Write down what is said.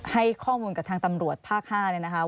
ให้ข้อมูลกับทางตำรวจภาค๕เนี่ยนะคะ